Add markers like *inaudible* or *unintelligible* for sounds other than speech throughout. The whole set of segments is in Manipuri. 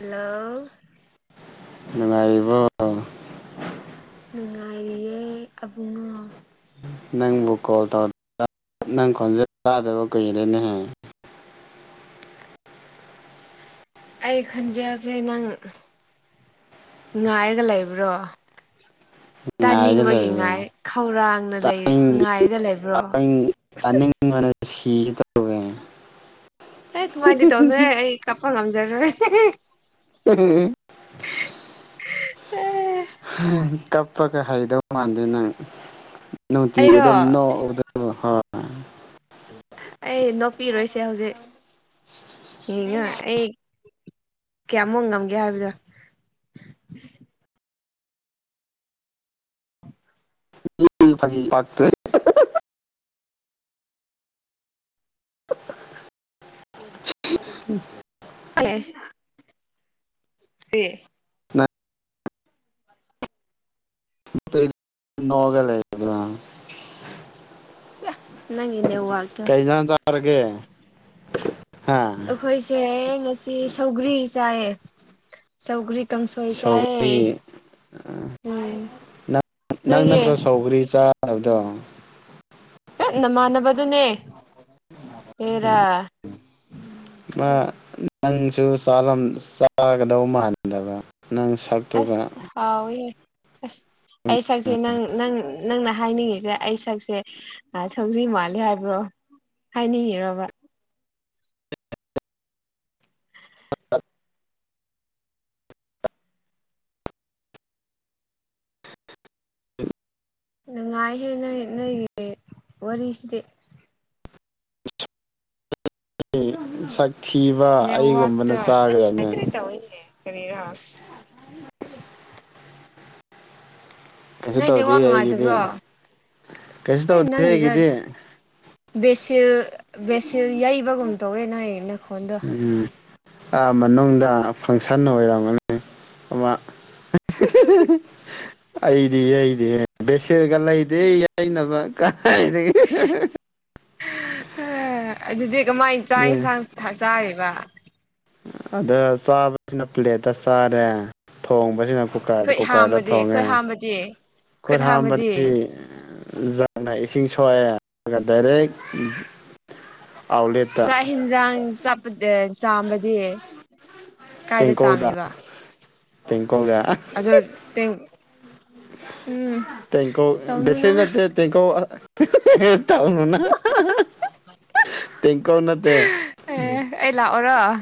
ꯍꯜꯂꯣ ꯅꯨꯡꯉꯥꯏꯔꯤꯕꯣ ꯅꯨꯡꯉꯥꯏꯔꯤꯌꯦ ꯑꯕꯨꯡꯉꯣ ꯅꯪꯕꯨ ꯀꯣꯜ ꯇꯧ ꯅꯪ ꯈꯣꯟꯖꯦꯜ ꯇꯥꯗꯕ ꯀꯨꯏꯔꯦꯅꯦꯍꯦ ꯑꯩ ꯈꯟꯖꯦꯜꯖꯦ ꯅꯪ ꯉꯥꯏꯔꯒ ꯂꯩꯕ꯭ꯔꯣ ꯉꯥꯏꯔꯒ ꯇꯥꯅꯤꯡꯕꯒꯤ ꯂꯩꯔꯦ ꯉꯥꯏ ꯈꯧꯔꯥꯡꯅ ꯂꯩ ꯇꯥꯅꯤꯡ ꯉꯥꯏꯔꯒ ꯂꯩꯕ꯭ꯔꯣ ꯅꯤꯡꯕꯅ ꯁꯤꯒꯦ ꯇꯧꯋꯦ ꯍꯦ ꯗꯨꯃꯥꯏꯗꯤ ꯇꯧꯅꯨꯍꯦ ꯑꯩ ꯀꯥꯞꯄ ꯉꯝꯖꯔꯣꯏ *unintelligible* ꯀꯞꯄꯒ ꯍꯩꯗꯧ ꯃꯥꯟꯗꯦ ꯅꯪ ꯅꯨꯡꯇꯤꯒꯤ ꯑꯩꯔꯣ ꯑꯗꯨꯝ ꯅꯣꯛ ꯑꯕꯗ *unintelligible* ꯑꯩ ꯅꯣꯛꯄꯤꯔꯣꯏꯁꯦ ꯍꯧꯖꯤꯛ ꯌꯦꯡꯉꯣ ꯑꯩ ꯀꯌꯥꯃꯨꯛ ꯉꯝꯒꯦ ꯍꯥꯏꯕꯗꯣ *unintelligible* *inaudible* *inaudible* *unintelligible* ꯀ꯭ꯔꯤ ꯅꯪ *unintelligible* ꯅ‌ꯣꯛꯑꯒ ꯂꯩ ꯗꯅ ꯁꯤꯑꯥ ꯅꯪꯒꯤ ꯅꯦꯋꯥꯛ ꯀꯩ ꯏꯟꯖꯥꯡ ꯆꯥꯔꯒꯦ ꯍꯥ ꯈꯣꯏꯁꯦ ꯉꯁꯤ ꯁꯧꯒ꯭ꯔꯤ ꯆꯥꯏꯌꯦ ꯆꯧꯒ꯭ꯔꯤ ꯀꯪꯁ‌ꯣꯏ ꯆꯥꯌ‌ꯦ ꯎ ꯅꯪ ꯅꯪ ꯅꯣꯏꯒꯤ ꯅꯠꯇ꯭ꯔꯣ ꯁꯧꯒ‌‌꯭ꯔꯤ ꯆꯥꯗꯕꯗꯣ ꯍ‌ꯦꯠ ꯅꯃꯥꯟꯅꯕꯗꯨꯅꯦ ꯍ‌ꯦꯔꯥ ꯃꯥ ꯅꯪꯁꯨ ꯆꯥꯔꯝ ꯆꯥꯒꯗꯧ ꯃꯥꯟꯗꯕ ꯅꯪ ꯁꯛ ꯑꯁ ꯍꯥꯎ ꯋꯤꯍ‌ꯦ ꯑꯁ ꯑꯩ ꯁꯛꯁꯦ ꯅꯪ ꯅꯪ ꯅꯪꯅ ꯍꯥꯏꯅꯤꯡꯉꯤꯁꯦ ꯑꯩ ꯁꯛꯁꯦ ꯑ ꯁꯧꯒ꯭ꯔꯤ ꯃꯥꯜꯂꯦ ꯍꯥꯏꯕ꯭ꯔꯣ ꯍꯥꯏꯅꯤꯡꯉꯤꯔꯕ *inaudible* ꯅꯨꯡꯉꯥꯏꯍꯦ ꯅ‌ꯣꯏ ꯅꯣꯏꯒꯤ ꯋꯥꯔꯤꯁꯤꯗꯤ ꯁꯛ ꯊꯤꯕ ꯑꯩꯒꯨꯝꯕꯅ ꯆꯥꯒꯗꯝꯅ‌ꯦ ꯇꯧꯋꯤꯅ‌ꯦ ꯀꯔꯤꯔꯥ ꯀꯩꯁꯨ ꯅꯣꯏ ꯇꯧꯗꯦ ꯅꯦꯋꯥꯛ ꯑꯩꯒꯤꯗꯤ ꯅꯨꯡꯉꯥꯏꯇꯕ꯭ꯔꯣ ꯀꯩꯁꯨ ꯍ‌ꯦ ꯇꯧꯗꯦ ꯅꯪꯒꯤꯗ ꯑꯩꯒꯤꯗꯤ ꯕꯦꯁꯤꯜ ꯕꯦꯁꯤꯜ ꯌꯩꯕꯒꯨꯝ ꯇꯧꯋꯦ ꯅ‌ꯣꯏ ꯅꯈꯣꯟꯗ‌ꯣ ꯎꯝ ꯑꯥ ꯃꯅꯨꯡꯗ ꯐꯪꯁꯟ ꯑꯣꯏꯔꯝꯒꯅꯤ ꯑꯃ ꯑꯩꯗꯤ ꯑꯩꯗꯤ ꯕꯦꯁꯤꯜꯒ ꯂꯩꯗ‌ꯦ ꯌꯥꯏꯅꯕ ꯀꯥꯏꯗꯩ ꯍ‌ꯦ ꯑꯗꯨꯗꯤ ꯀꯃꯥꯏꯅ ꯆꯥꯛ ꯏꯟꯁꯥꯡ ꯊ ꯆꯥꯔꯤꯕ ꯑꯗ ꯆꯥꯕꯁꯤꯅ ꯄ꯭ꯂꯦꯠꯇ ꯆꯥꯔꯦ ꯊꯣꯡꯕꯁꯤꯅ ꯀꯨꯀ꯭ꯔꯗ ꯀꯨꯀ꯭ꯔꯗ ꯊꯣꯡꯉꯦ ꯇ‌ꯦ ꯈꯨꯠ ꯍꯥꯝꯕꯗꯤ ꯖꯛꯅ ꯏꯁꯤꯡ ꯁꯣꯛꯑꯦ ꯑꯗꯨꯒ ꯗꯥꯏꯔꯦꯛ ꯑꯥꯎꯠꯂꯦꯠꯇ ꯆꯥꯛ ꯍꯤꯟꯖꯥꯡ ꯆꯄ ꯑ ꯆꯥꯝꯕꯗꯤ ꯀꯥꯏꯗ ꯇꯦꯡꯀꯧꯗ ꯆꯥꯝꯃꯤꯕ ꯇꯦꯡꯀꯧꯗ ꯑꯗꯨ ꯇꯦꯡ ꯎꯝ ꯇꯧꯅꯨꯅ ꯇ‌ꯦꯀꯣ ꯇꯧꯅꯨꯅ ꯇ‌ꯦꯡꯀ‍ꯣꯠ ꯅꯠꯇ‌ꯦ ꯑꯦ ꯑꯩ ꯂꯥꯛꯑꯣꯔ‌ꯣ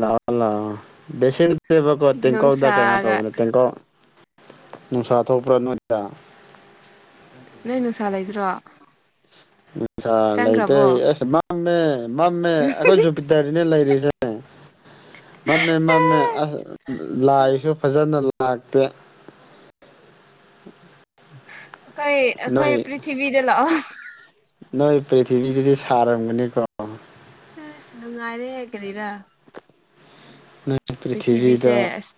ꯂꯥꯛꯑꯣ ꯂꯥꯛꯑꯣ ꯕ‌ꯦꯁꯤꯟ ꯇꯦꯕꯀꯣ ꯇꯦꯡꯀ‍ꯣꯛꯗ ꯀꯩꯅꯣ ꯅꯨꯡꯁꯥꯒ ꯇꯧꯕꯅꯦ ꯇꯦꯡꯀ‌ꯣꯛ ꯅꯨꯡꯁꯥ ꯊꯣꯛꯄ꯭ꯔꯥ ꯅꯣꯏꯗ ꯅꯣꯏ ꯅꯨꯡꯁꯥ ꯂꯩꯗ꯭ꯔꯣ ꯄꯩꯁꯥ ꯂꯩꯇꯦ ꯆꯪꯈ꯭ꯔꯕꯣ ꯑꯦꯁ ꯃꯝꯃꯦ ꯃꯝꯃꯦ ꯑꯩꯈꯣꯏ ꯖꯨꯄꯤꯇꯔꯗꯅꯦ ꯂꯩꯔꯤꯁꯦ ꯃꯝꯃꯦ ꯃꯝꯃꯦ ꯑꯁ ꯂꯥꯏꯁꯨ ꯐꯖꯅ ꯂꯥꯛꯇꯦ ꯑꯩꯈꯣꯏ ꯅꯣꯏ ꯑꯩꯈꯣꯏ ꯄ꯭ꯔꯤꯊꯤꯕꯤꯗ ꯂꯥꯛꯑꯣ ꯅꯣꯏ ꯄ꯭ꯔꯤꯊꯤꯕꯤꯗꯗꯤ ꯁꯥꯔꯝꯒꯅꯤꯀꯣ ꯑꯥꯏ ꯅꯨꯡꯉꯥꯏꯔꯦꯍꯦ ꯀꯔꯤꯔꯥ ꯅꯣꯏ ꯄ꯭ꯔꯤꯊꯤꯕꯤꯁꯦ ꯄ꯭ꯔꯤꯊꯤꯕꯤꯗꯣ ꯑꯁ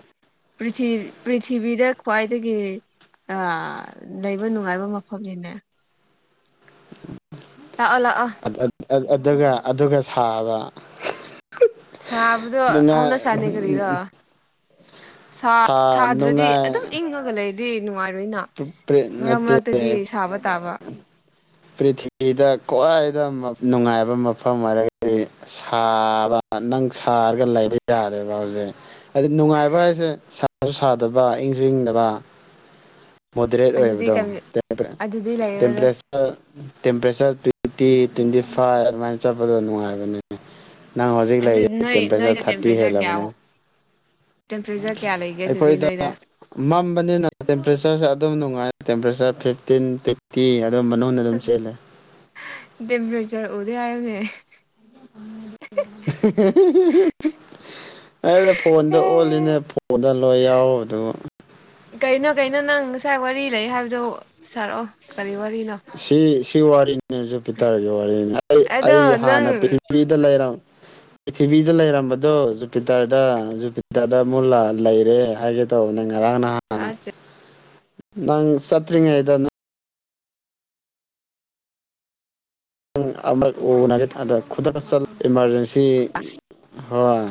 ꯄ꯭ꯔꯤꯊꯤ ꯄ꯭ꯔꯤꯊꯤꯕꯤꯗ ꯈ꯭ꯋꯥꯏꯗꯒꯤ ꯑꯥ ꯂꯩꯕ ꯅꯨꯡꯉꯥꯏꯕ ꯃꯐꯝꯅꯤꯅꯦ ꯂꯥꯛꯑꯣ ꯂꯥꯛꯑꯣ ꯑꯠ ꯑꯠ ꯑꯥꯠ ꯑꯗꯨꯒ ꯑꯗꯨꯒ ꯁꯥꯕ ꯁꯥꯕꯗꯣ ꯅꯨꯡꯉꯥꯏ ꯍꯧꯅ ꯁꯥꯅꯤ ꯀꯔꯤꯔꯣ ꯁꯥ ꯁꯥꯗ꯭ꯔꯥꯗꯤ ꯑꯗꯨꯝ ꯏꯪꯉꯒ ꯂꯩꯔꯗꯤ ꯅꯨꯡꯉꯥꯏꯔꯣꯏꯅ ꯃꯔꯛ ꯅꯠꯇꯦ ꯃꯔꯛꯇꯥꯗꯤ ꯁꯥꯕ ꯇꯥꯕ ꯄ꯭ꯔꯤꯊꯤꯕꯤꯗ ꯈ꯭ꯋꯥꯏꯗ ꯃꯞ ꯅꯨꯡꯉꯥꯏꯕ ꯃꯐꯝ ꯍꯥꯏꯔꯒꯥꯗꯤ ꯁꯥꯕ ꯅꯪ ꯁꯥꯔꯒ ꯂꯩꯕ ꯌꯥꯔꯦꯕ ꯍꯧꯖꯤꯛ ꯑꯗꯨꯝ ꯅꯨꯡꯉꯥꯏꯕ ꯍꯥꯏꯁꯦ ꯁꯥꯁꯨ ꯁꯥꯗꯕ ꯏꯪꯁꯨ ꯏꯪꯗꯕ ꯃꯣꯗꯔꯦꯠ ꯑꯗꯨꯗꯤ ꯑꯣꯏꯕꯗꯣ ꯇꯦꯝꯄꯔꯦ ꯑꯗꯨꯗꯤ ꯇꯦꯝꯄ꯭ꯔꯦ ꯂꯩꯔꯔꯣꯏ *unintelligible* ꯇꯦꯝꯄꯔꯦꯆꯔ ꯇ꯭ꯋꯦꯟꯇꯤ ꯇ꯭ꯋꯦꯟꯇꯤ ꯐꯥꯏꯚ ꯑꯗꯨꯃꯥꯏꯅ ꯆꯠꯄꯗꯣ ꯅꯨꯡꯉꯥꯏꯕꯅꯤ ꯅꯪ ꯍꯧꯖꯤꯛ ꯑꯗꯨ ꯂꯩꯔꯤ ꯅꯣꯏ ꯇꯦꯝꯄ꯭ꯔꯦꯆꯔ ꯅꯣꯏꯗ ꯊꯥꯔꯇꯤ ꯍꯦꯜꯂꯕꯅꯦ ꯇꯦꯝꯄ꯭ꯔꯦꯆꯔ ꯀꯌꯥ ꯂꯩꯒꯦ ꯑꯗꯨꯗꯤ ꯑꯩꯈꯣꯏꯗ ꯅꯣꯏꯗ ꯃꯝꯕꯅꯤꯅ ꯇꯦꯝꯄ꯭ꯔꯦꯆꯔꯁꯦ ꯑꯗꯨꯝ ꯅꯨꯡꯉꯥꯏ ꯇꯦꯝꯄ꯭ꯔꯦꯆꯔ ꯐꯤꯐꯇꯤꯟ ꯇꯤ ꯑꯗꯨꯝ ꯃꯅꯨꯡꯗ ꯑꯗꯨꯝ ꯆꯦꯜꯂꯦ ꯗꯦꯝꯄ꯭ꯔꯦꯆꯔ ꯎꯗꯦ ꯍꯥꯏꯕꯅꯦ *unintelligible* ꯑꯩꯅ ꯐꯣꯟꯗ ꯑꯣꯜꯂꯤꯅꯦ ꯐꯣꯟꯗ ꯂꯣꯏ ꯌꯥꯎ ꯗꯨꯕꯨ ꯀꯩꯅꯣ ꯀꯩꯅꯣ ꯅꯪ ꯉꯁꯥꯏ ꯋꯥꯔꯤ ꯂꯩ ꯍꯥꯏꯕꯗꯣ ꯁꯥꯔꯛꯑꯣ ꯀꯔꯤ ꯋꯥꯔꯤꯅꯣ ꯁꯤ ꯁꯤ ꯋꯥꯔꯤꯅꯤ ꯖꯨꯄꯤꯇꯔꯒꯤ ꯋꯥꯔꯤꯅꯤ ꯑꯩ ꯑꯗꯣ ꯑꯩ ꯅꯪ ꯍꯥꯟꯅ ꯄ꯭ꯔꯤꯊꯤꯕꯤꯗ ꯂꯩꯔꯝ ꯄ꯭ꯔꯤꯊꯤꯕꯤꯗ ꯂꯩꯔꯝꯕꯗꯣ ꯖꯨꯄꯤꯇꯔꯗ ꯖꯨꯄꯤꯇꯔꯗ ꯑꯃꯨꯛ ꯂꯥ ꯂꯩꯔꯦ ꯍꯥꯏꯒꯦ ꯇꯧꯕꯅꯦ ꯉꯔꯥꯡ ꯅꯍꯥꯟꯅ ꯅꯪ ꯆꯠꯇ꯭ꯔꯤꯉꯩꯗ ꯅꯪ ꯑꯃꯔꯛ ꯎꯅꯒꯦ ꯊꯥꯗ ꯈꯨꯗꯛꯇꯥ ꯆꯠꯂ ꯏꯃꯥꯔꯖꯦꯟꯁꯤ ꯑꯁ ꯍꯣꯏ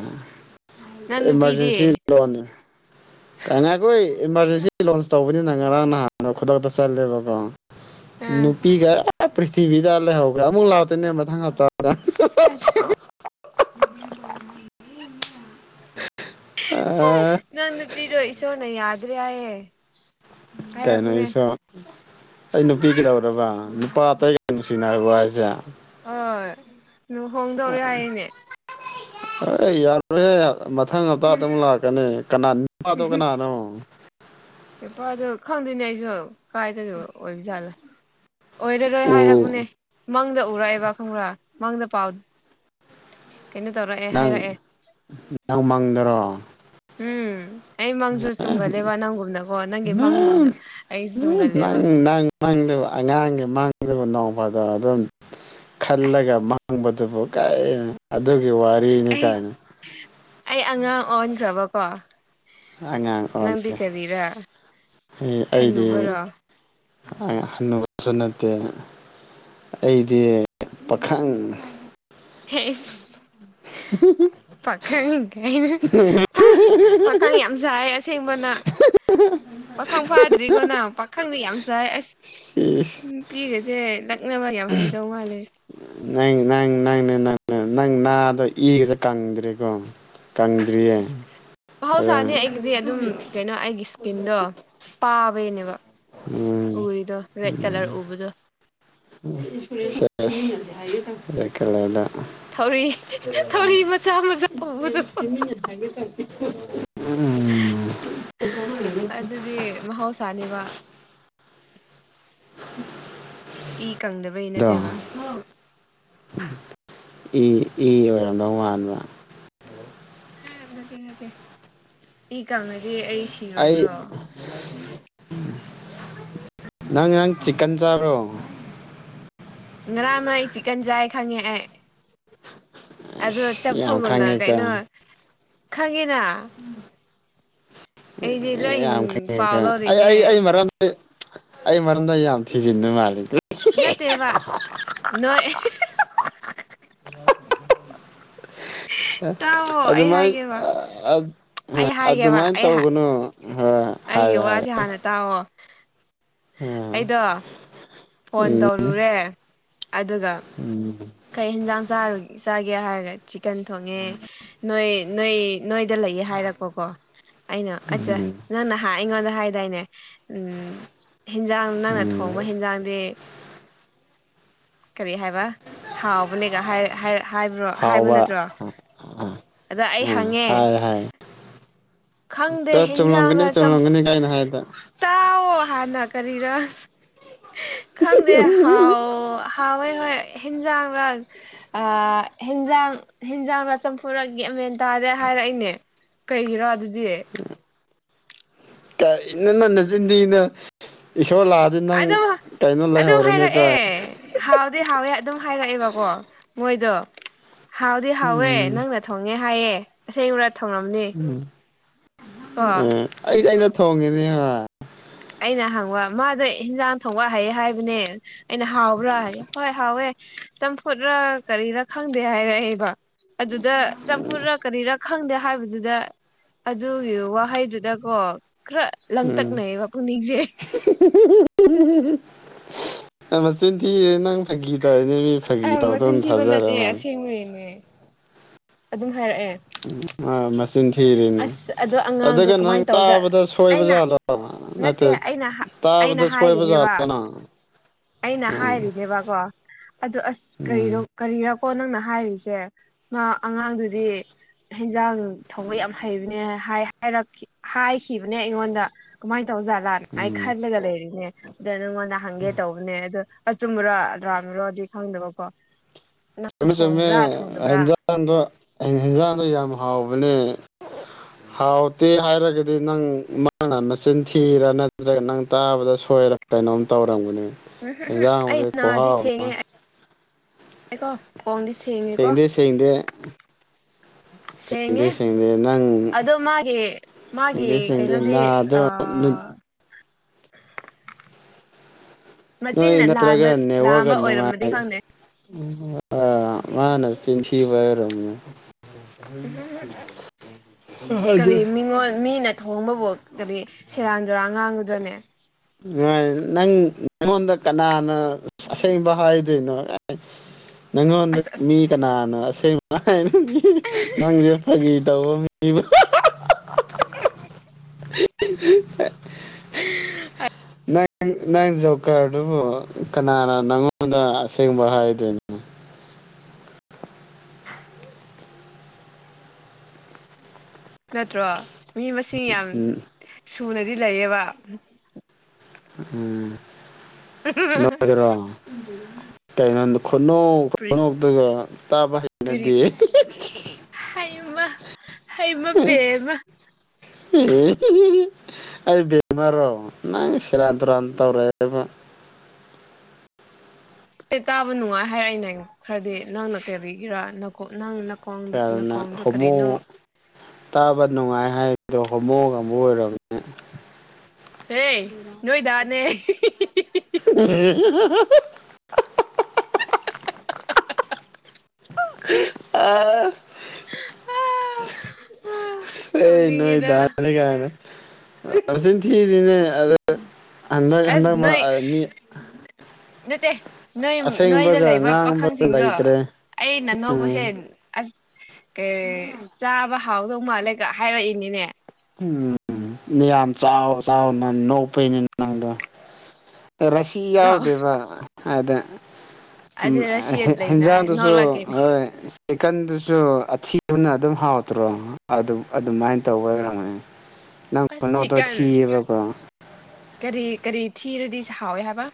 ꯅꯪ ꯅꯨꯄꯤꯗꯤ ꯏꯃꯔꯖꯦꯟꯁꯤ ꯂꯣꯟꯅꯤ *unintelligible* ꯏꯃꯥꯔꯖꯦꯟꯁꯤ ꯂꯣꯟꯁ ꯇꯧꯕꯅꯤꯅ ꯉꯔꯥꯡ ꯅꯍꯥꯟꯗꯣ ꯈꯨꯗꯛꯇꯥ ꯆꯠꯂꯦꯕꯀꯣ ꯑꯥ ꯅꯨꯄꯤꯒꯥ ꯑꯥ ꯄ꯭ꯔꯤꯊꯤꯕꯤꯗ ꯂꯩꯍꯧꯒ꯭ꯔꯦ ꯑꯃꯨꯛ ꯂꯥꯇꯣꯏꯅꯦ ꯃꯊꯪ ꯍꯥꯞꯇꯥꯗ *unintelligible* ꯑ ꯅꯪ ꯅꯨꯄꯤꯗꯣ ꯏꯁꯣꯔꯅ ꯌꯥꯗ꯭ꯔꯦ ꯍꯥꯏꯌꯦ ꯍꯥꯏꯔꯛꯄꯅꯦ ꯀꯩꯅꯣꯏꯁꯨ ꯑꯩ ꯅꯨꯄꯤ ꯀꯩꯗꯧꯔꯕ ꯅꯨꯄꯥ ꯑꯇꯩꯒꯥ ꯅꯨꯡꯁꯤꯅꯔꯕ ꯍꯥꯏꯁꯦ ꯑꯣꯏ ꯅꯨ ꯍꯣꯡꯗꯧꯔꯦ ꯍꯥꯏꯅꯦ *unintelligible* ꯑꯥꯏ ꯌꯥꯔꯣꯍꯦ ꯃꯊꯪ ꯍꯞꯇꯥ ꯑꯃꯨꯛ ꯂꯥꯛꯀꯥꯅꯤ ꯀꯅꯥ ꯅꯨꯄꯥꯗꯣ ꯀꯅꯥꯅꯣ ꯅꯨꯄꯥꯗꯣ ꯈꯪꯗꯦꯅꯦ ꯑꯩꯁꯨ ꯀꯥꯏꯗꯒꯤ ꯑꯣꯏꯕ ꯖꯥꯠꯂꯥ ꯑꯣꯏꯔꯔꯣꯏ ꯎ ꯍꯥꯏꯔꯛꯄꯅꯦ ꯃꯪꯗ ꯎꯔꯛꯑꯦꯕ ꯈꯪꯕ꯭ꯔꯥ ꯃꯪꯗ ꯄꯥꯎ ꯀꯩꯅꯣ ꯇꯧꯔꯥꯑꯦ ꯅꯪ ꯅꯪ ꯃꯪꯗꯥꯔꯣ ꯎꯝ ꯑꯩ ꯃꯪꯁꯨ ꯆꯨꯝꯒꯜꯂꯦꯕ ꯅꯪꯒꯨꯝꯅꯀꯣ ꯅꯪꯒꯤ ꯅꯪ ꯃꯪꯒꯨꯝꯅ ꯑꯩꯁꯨ ꯆꯨꯝꯒꯜꯂꯦꯕ ꯃꯪꯗꯕ ꯑꯉꯥꯡꯒꯤ ꯃꯥꯡꯗꯕ ꯅꯣꯡꯃꯗꯣ ꯑꯗꯨꯝ ꯑꯁ ꯈꯜꯂꯒ ꯃꯪꯕꯗꯨꯕꯨ ꯀꯥꯏ ꯑꯗꯨꯒꯤ ꯋꯥꯔꯤꯅꯤ ꯑꯩ ꯀꯥꯏꯅ ꯑꯩ ꯑꯉꯥꯡ ꯑꯣꯟꯈ꯭ꯔꯕꯀꯣ ꯑꯉꯥꯡ ꯅꯪꯗꯤ ꯑꯣꯂꯦ ꯀꯔꯤꯔꯥ ꯑꯩꯗꯤ ꯍꯟꯅꯨꯕꯔꯣ ꯑꯦ ꯍꯅꯨꯕ ꯆꯠꯅꯗꯦꯍꯦ ꯑꯩꯗꯤ ꯄꯥꯈꯪ ꯍꯦ ꯏꯁ ꯄꯥꯈꯪꯡ ꯀꯥꯏꯅꯦ ꯄꯈꯪ ꯌꯥꯝ ꯁꯥꯏ ꯑꯁꯦꯡꯕꯅ ꯄꯥꯈꯪ ꯐꯥꯗ꯭ꯔꯤꯀꯣ ꯅꯪ ꯄꯥꯈꯪꯗꯤ ꯌꯥꯝ ꯁꯥꯢ ꯑꯁ ꯁꯤ ꯏꯁ ꯅꯨꯄꯤꯒꯁꯦ ꯂꯛꯅꯕ ꯌꯥꯝ ꯍꯥꯏꯗꯧ ꯃꯥꯜꯂꯦ ꯅꯪ ꯅꯪ ꯅꯪꯅꯦ ꯅꯪ ꯅꯪ ꯅꯥꯗꯣ ꯏꯒꯖꯦ ꯀꯪꯗ꯭ꯔꯤꯀꯣ ꯀꯪꯗ꯭ꯔꯤꯌꯦ ꯑꯗ ꯃꯍꯧꯁꯥꯅꯤ ꯑꯩꯒꯤꯗꯤ ꯑꯗꯨꯝ ꯀꯩꯅꯣ ꯑꯩꯒꯤ ꯏꯁꯀꯤꯟꯗꯣ ꯄꯥꯕꯩꯅꯦꯕ ꯎꯝ ꯎꯔꯤꯗꯣ ꯔꯦꯗ ꯀꯂꯔ ꯎꯕꯗꯣ ꯁꯦꯁ ꯌꯥꯢꯀꯂꯗ ꯊꯧꯔꯤ ꯊꯧꯔꯤ ꯃꯆꯥ ꯃꯆꯥ ꯎꯕꯗ ꯃꯤꯅ ꯊꯒꯦ ꯇꯧ ꯑꯗꯨꯗꯤ ꯃꯍꯧꯁꯥꯅꯦꯕ ꯏ ꯀꯪꯗꯕꯩ ꯑꯗꯣ ꯅꯠꯇꯦꯕ ꯏ ꯏ ꯑꯣꯢꯔꯝꯗꯧ ꯃꯥꯟꯕ ꯌꯥꯝ ꯅꯠꯇꯦ ꯅꯠꯇꯦ ꯏ ꯀꯪꯉꯗꯤ ꯑꯩ ꯑꯩ ꯁꯤꯔꯣꯏꯗ꯭ꯔꯣ ꯅꯪ ꯅꯪ ꯆꯤꯛꯀꯟ ꯆꯥꯕ꯭ꯔꯣ ꯉꯔꯥꯡ ꯅꯣꯏ ꯆꯤꯛꯀꯟ ꯆꯥꯏ ꯈꯪꯉꯦ ꯑꯩ ꯑꯗꯣ ꯑꯁ ꯆꯞꯐꯨ ꯌꯥꯝ ꯃꯨꯅ ꯀꯩꯅꯣ ꯈꯪꯉꯦꯀꯣ ꯈꯪꯉꯦꯅꯥ ꯂꯣꯏ ꯌꯥꯝ ꯈꯩ ꯄꯥꯎ ꯑꯩ ꯂꯧꯔꯤꯅꯦ ꯑꯩ ꯑꯩ ꯃꯔꯝ ꯑꯩ ꯑꯩ ꯃꯔꯝꯗ ꯌꯥꯝ ꯊꯤꯖꯤꯟꯕ ꯃꯥꯜꯂꯤ ꯅꯠꯇꯦꯕꯥ ꯅꯣꯏ ꯇꯥꯎꯋꯣ ꯑꯩ ꯑꯗꯨꯃꯥꯢ ꯍꯥꯏꯒꯦꯕ ꯑꯩ ꯍꯥꯏꯒꯦꯕ ꯑꯗꯨꯃꯥꯢꯅ ꯑꯩ ꯇꯧꯒꯅꯣ ꯍꯥ ꯑꯩꯒꯤ ꯋꯥꯖꯦ ꯍꯥꯟꯅ ꯇꯥꯎꯑꯣ ꯎꯝ ꯑꯩꯗꯣ ꯐꯣꯟ ꯇꯧꯔꯨꯔꯦ ꯑꯗꯨꯒ ꯎꯝ ꯀꯩ ꯍꯦꯟꯖꯥꯡ ꯆꯥꯔ ꯆꯥꯒꯦ ꯍꯥꯏꯔꯒ ꯆꯤꯛꯀꯟ ꯊꯣꯡꯉꯦ ꯅꯣꯏ ꯅꯣꯏ ꯅꯣꯏꯗ ꯂꯩꯌꯦ ꯍꯥꯏꯔꯛꯄꯀꯣ ꯑꯩꯅ ꯑꯁꯆꯥ ꯅꯪ ꯅꯍꯥꯟ ꯑꯩꯉꯣꯟꯗ ꯍꯥꯏꯗꯥꯏꯅꯦ ꯎꯝ ꯍꯤꯟꯖꯥꯡ ꯅꯪꯅ ꯎꯝ ꯊꯣꯡꯕ ꯍꯦꯟꯖꯥꯡꯗꯤ ꯀꯔꯤ ꯍꯥꯢꯕ ꯍꯥꯎꯕꯅꯦꯒ ꯍꯥꯢꯔ ꯍꯥꯢ ꯍꯥꯢꯕ꯭ꯔꯣ ꯍꯥꯢꯕ ꯍꯥꯎꯕ ꯅꯠꯇ꯭ꯔꯣ ꯑꯗ ꯑꯩ ꯎꯝ ꯍꯪꯉꯦ ꯍꯥꯏ ꯍꯥꯏ ꯈꯪꯗꯦ ꯇ ꯍꯦꯟꯖꯥꯡꯂ ꯆꯨꯝꯂꯝꯒꯅꯤ ꯆꯝ ꯆꯨꯝꯂꯝꯒꯅꯤ ꯀꯥꯏꯅ ꯍꯥꯏꯗ ꯇꯥꯎꯑꯣ ꯍꯥꯟꯅ ꯀꯔꯤꯔ ꯈꯪꯗꯦ ꯍꯥꯎꯑꯣ ꯍꯥꯎꯋꯦ ꯍꯣꯢ ꯍꯦꯟꯖꯥꯡꯂ ꯑ ꯍꯦꯟꯖꯥꯡ ꯍꯦꯟꯖꯥꯡꯂ ꯆꯝꯐꯨꯔ ꯒ꯭ꯌꯥꯟ ꯃꯦꯟ ꯇꯥꯗꯦ ꯍꯥꯢꯔꯛꯏꯅꯦ ꯀꯩꯒꯤꯔꯥ ꯑꯗꯨꯗꯤ ꯀꯔꯤ ꯅ ꯅꯣꯢ ꯅꯆꯤꯟꯊꯤꯒꯅꯨ ꯏꯁꯣꯔ ꯂꯥꯛ ꯑꯗꯨ ꯅꯪ ꯑꯗꯨꯝ ꯀꯩꯅꯣ ꯑꯗꯨꯝ ꯂꯩꯍꯧꯔꯅꯦꯀꯣ ꯍꯥꯏꯔꯛꯑꯦ ꯍꯥꯎꯗꯤ ꯍꯥꯎꯋꯦ ꯑꯗꯨꯝ ꯍꯥꯏꯔꯛꯑꯦꯕꯀꯣ ꯃꯣꯏꯗꯣ ꯍꯥꯎꯗꯤ ꯍꯥꯎꯋꯦ ꯎꯝ ꯅꯪꯅ ꯊꯣꯡꯉꯦ ꯍꯥꯏꯌꯦ ꯑꯁꯦꯡꯉꯨꯔ ꯊꯣꯡꯉꯝꯅꯦ ꯀꯣ ꯎꯝ ꯑꯩ ꯑꯩꯅ ꯊꯣꯡꯉꯤꯅꯦ *unintelligible* ꯑꯩꯅ ꯍꯪꯕ ꯃꯥꯗ ꯏꯟꯖꯥꯡ ꯊꯣꯡꯕ ꯍꯩ ꯍꯥꯏꯕꯅꯦ ꯑꯩꯅ ꯍꯥꯎꯕ꯭ꯔꯥ ꯍꯣꯏ ꯍꯥꯎꯋꯦ ꯆꯝꯐꯨꯠꯔ ꯀꯔꯤꯔꯥ ꯈꯪꯗꯦ ꯍꯥꯏꯔꯛꯑꯦꯕ ꯑꯗꯨꯗ ꯆꯝꯐꯨꯠꯔ ꯀꯔꯤꯔꯥ ꯈꯪꯗꯦ ꯍꯥꯏꯕꯗꯨꯗ ꯑꯗꯨꯒꯤ ꯋꯥꯍꯩꯗꯨꯗꯀꯣ ꯈꯔ ꯂꯪꯇꯛꯅꯌꯦꯕ ꯄꯨꯛꯅꯤꯡꯖꯦ *unintelligible* ꯃꯆꯤꯟꯊꯤꯔꯦ ꯅꯪ ꯐꯥꯒꯤ ꯇꯧ *unintelligible* ꯐꯥꯒꯤ ꯑꯦ ꯇꯧꯗꯧ ꯃꯆꯤꯟ ꯊꯤꯕ ꯊꯥꯖꯔ ꯃꯥꯅꯤ *unintelligible* ꯑꯗꯨꯝ ꯍꯥꯏꯔꯛꯑꯦ ꯃꯆꯤꯟ ꯊꯤꯔꯤꯅꯦ ꯑꯁ ꯑꯗꯣ ꯑꯉꯥꯡꯗꯣ ꯑꯗꯨꯒ ꯅꯪ ꯀꯃꯥꯏꯅ ꯇꯧꯖ ꯇꯥꯕꯗ ꯑꯩꯅ ꯁꯣꯏꯕꯖꯥꯠꯂꯣ ꯅꯠꯇꯦ ꯑꯩꯅ ꯑꯩꯅ ꯇꯕꯗ ꯍꯥꯏꯔꯤꯅꯦꯕ ꯁꯣꯏꯕꯖꯥꯂꯅ ꯑꯩꯅ ꯍꯥꯏꯔꯤꯅꯦꯕꯀꯣ ꯑꯗꯨ ꯑꯁ ꯎꯝ ꯀꯔꯤꯔꯣ ꯀꯔꯤꯔ ꯀꯣ ꯅꯪꯅ ꯍꯥꯏꯔꯤꯁꯦ ꯃꯥ ꯑꯉꯥꯡꯗꯨꯗꯤ ꯍꯤꯟꯖꯥꯡ ꯊꯣꯡꯕ ꯌꯥꯝ ꯍꯩꯕꯅꯦ ꯍꯥꯏ ꯍꯥꯏꯔꯛ ꯍꯥꯏꯈꯤꯕꯅꯦ ꯑꯩꯉꯣꯟꯗ ꯀꯃꯥꯏꯅ ꯇꯧꯖꯥꯂ ꯑꯩ ꯎꯝ ꯈꯜꯂꯒ ꯂꯩꯔꯤꯅꯦ ꯑꯗ ꯅꯪꯉꯣꯟꯗ ꯍꯪꯒꯦ ꯇꯧꯕꯅꯦ ꯑꯗ ꯑꯆꯨꯝꯕꯔ ꯑꯔꯟꯕꯔꯣꯗꯤ ꯈꯪꯗꯕꯀꯣ ꯆꯨꯃꯦ ꯆꯨꯝꯃꯦ ꯊꯣꯡꯕ꯭ꯔꯥ ꯊꯣꯡꯗꯕ꯭ꯔꯥ ꯍꯦꯟꯖꯥꯡꯗꯣ ꯍꯦꯟꯖꯥꯡꯗꯣ ꯌꯥꯝ ꯍꯥꯎꯕꯅꯦ *inaudible* ꯍꯥꯎꯇꯦ ꯍꯥꯏꯔꯒꯗꯤ ꯅꯪ ꯃꯥꯅ ꯃꯆꯤꯟꯊꯤꯔ ꯅꯠꯇ꯭ꯔꯒ ꯅꯪ ꯇꯥꯕꯗ ꯁꯣꯏꯔ ꯀꯩꯅꯣꯝ ꯇꯧꯔꯝꯒꯅꯤ ꯎꯝ ꯎꯝ ꯎꯝ ꯑꯩ ꯑꯦꯟꯖꯥꯡꯕꯨꯗꯤ ꯈꯨꯍꯥꯎ ꯑꯃ *unintelligible* ꯀꯣ ꯐꯣꯟꯗꯤ ꯁꯦꯡꯉꯦꯀꯣ ꯊꯦꯡꯗꯦ *inaudible* ꯁꯦꯡꯉꯦ ꯅꯪ ꯑꯗꯣ ꯃꯥꯒꯤ ꯃꯥꯒꯤ ꯁꯦꯡꯗꯦ ꯁꯦꯡꯗꯦ ꯀꯩꯅꯣꯗꯤ ꯑ ꯅꯥꯗꯣ ꯅꯣꯏ ꯃꯆꯤꯟꯅ ꯂꯥꯟꯕ ꯅꯠꯇ꯭ꯔꯒ ꯅꯦꯛꯋꯒ ꯂꯥꯟꯕ ꯑꯣꯏꯔꯝꯃꯗꯤ ꯅꯨꯡꯉꯥꯏ ꯈꯪꯗꯦ ꯎꯝ ꯑ ꯃꯥꯅ ꯆꯤꯟꯊꯤꯕ ꯎꯝ *unintelligible* *inaudible* *unintelligible* ꯃꯤꯅ *unintelligible* ꯊꯣꯡꯕꯕꯨ ꯀꯔꯤ ꯁꯦꯔꯥꯟ ꯇꯨꯔꯥꯡ ꯉꯥꯡꯒꯗ꯭ꯔꯅꯦ *unintelligible* ꯅꯪ ꯉꯣꯟꯗ ꯀꯅꯥꯅ ꯑꯁꯦꯡꯕ ꯍꯥꯏꯗꯣꯏꯅꯣ *unintelligible* *inaudible* ꯅꯉꯣꯟꯗ ꯑꯁ ꯑꯁ ꯃꯤ ꯀꯅꯥꯅꯣ ꯑꯁꯦꯡꯕ *unintelligible* ꯅꯪꯁꯨ ꯐꯒꯤ ꯇꯧꯕ *unintelligible* *inaudible* ꯅꯪ ꯅꯪ ꯖꯣꯀꯔꯗꯨꯕꯨ ꯀꯅꯥꯅ ꯅꯪꯉꯣꯟꯗ ꯑꯁꯦꯡꯕ ꯍꯥꯏꯗꯣꯏꯅꯣ ꯅꯠꯇ꯭ꯔꯣ ꯃꯤ ꯃꯁꯤꯡ ꯌꯥꯝ ꯎꯝ ꯁꯨꯅꯗꯤ ꯂꯩꯌꯦꯕ ꯎꯝ *unintelligible* ꯈꯨꯅꯣꯛ ꯈꯨꯅꯣꯛꯇꯨꯒ ꯇꯥꯕ ꯍꯩ ꯀꯔꯤ ꯍꯩꯃ ꯍꯩꯃ ꯕꯦꯝꯃ ꯑꯩ ꯕꯦꯝꯃꯔꯣ ꯅꯪ ꯁꯦꯔꯥꯟ ꯇꯨꯔꯥꯟ ꯇꯧꯔꯦꯕ ꯑꯦ ꯇꯥꯕ ꯅꯨꯡꯉꯥꯏ ꯍꯥꯏꯔꯛꯏꯅꯦ ꯈꯔꯗꯤ ꯅꯪꯅ ꯀꯔꯤꯒꯤꯔꯥ ꯅꯀꯣꯛ ꯅꯪ ꯅ *unintelligible* ꯍꯣꯃꯣ ꯇꯥꯕ ꯅꯨꯡꯉꯥꯏ ꯍꯥꯏꯗꯣ ꯍꯣꯃꯣꯒ ꯑꯃꯛ ꯑꯣꯏꯔꯝꯅꯦ ꯍꯦ ꯅꯣꯏꯗꯥꯅꯦ *unintelligible* *unintelligible* ꯑꯥ ꯑꯦ ꯇꯧꯅꯤꯡꯉꯤꯗ ꯅꯣꯏꯗ ꯅꯤ ꯀꯥꯏ ꯅꯥ ꯃꯆꯤꯟ ꯊꯤꯔꯤꯅꯦ ꯑꯗ ꯍꯟꯗꯛ ꯍꯟꯗꯛ ꯃꯔ ꯑꯥ ꯃꯤ ꯅꯥꯠꯇꯦ ꯅꯣꯏ ꯅꯣꯏꯗ ꯑꯁꯦꯡꯕꯒ ꯂꯩꯕ ꯉꯥꯡꯕꯒ ꯄꯥꯈꯪꯁꯤꯡꯗꯣ ꯂꯩꯇ꯭ꯔꯦ ꯑꯩ ꯅ ꯎꯝ ꯅꯣꯛꯄꯁꯦ ꯑꯁ ꯀꯩ ꯆꯥꯕ ꯍꯥꯎꯗꯧ ꯃꯥꯜꯂꯦꯒ ꯍꯥꯏꯔꯛꯏꯅꯤꯅꯦ ꯎꯝ ꯌꯥꯝ ꯆꯥꯎ ꯆꯥꯎ ꯅ ꯅꯣꯛꯄꯩꯅꯤ ꯅꯪꯗꯣ ꯑꯔꯁꯤ ꯆꯥꯎ ꯌꯥꯎꯗꯦꯕ ꯑꯗ ꯎꯝ ꯑꯗꯨ ꯍ ꯍꯦ ꯔꯁꯤꯠ ꯂꯩꯅ ꯍꯦꯟꯖꯥꯡꯗꯨꯁꯨ ꯅꯣꯛꯂꯛꯀꯦꯅꯦ ꯍꯣꯏ ꯆꯤꯀꯟꯗꯨꯁꯨ ꯑꯊꯤꯕꯅ ꯑꯗꯨꯝ ꯍꯥꯎꯇ꯭ꯔꯣ ꯑꯗꯨ ꯑꯗꯨꯃꯥꯏꯅ ꯇꯧꯕꯩ ꯑꯣꯏꯔꯝꯒꯅꯤ *inaudible* ꯅꯪ ꯈꯨꯅꯣꯛꯇꯣ ꯆꯤꯛꯀꯟ ꯊꯤꯌꯦꯕꯀꯣ ꯀꯔꯤ ꯀꯔꯤ ꯊꯤꯔꯗꯤ ꯁꯍꯥꯎꯋꯦ ꯍꯥꯏꯕ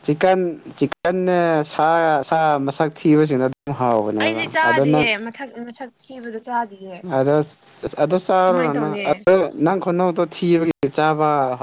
ꯆꯤꯀꯟ ꯆꯤꯀꯟꯅ ꯁꯥ ꯁꯥ ꯃꯁꯛ ꯊꯤꯕꯁꯤꯡꯗ ꯃꯨ ꯑꯩꯗꯤ ꯍꯥꯎꯕꯅꯦꯕ ꯑꯗꯨ ꯅꯪ ꯆꯥꯗꯤꯌꯦ ꯃꯊꯛ ꯃꯁꯛ ꯊꯤꯕꯗꯣ ꯆꯥꯗꯤꯌꯦ ꯑꯗꯣ ꯑꯗꯨ ꯀꯃꯥꯏꯅ ꯆꯥꯔꯨꯔꯅꯣ ꯇꯧꯅꯤ ꯑꯗꯨ ꯅꯪ ꯈꯨꯅꯧꯗꯣ ꯊꯤꯕꯒꯤ ꯆꯥꯕ